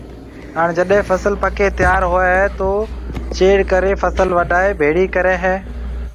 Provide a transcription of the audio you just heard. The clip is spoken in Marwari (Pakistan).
ھاڻ جڏي فصل پڪيَ تيار ھوئيَ ھيََََ تو ڇيڙ ڪرَي فصل وڊائيَ ڀيڙِي ڪرَي ھيََََ